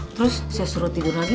terus saya suruh tidur lagi